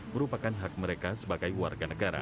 merupakan hak mereka sebagai warga negara